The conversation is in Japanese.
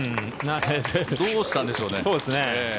どうしたんでしょうね。